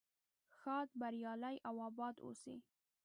ښاد بریالي او اباد اوسئ.